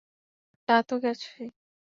তা তো গেছই।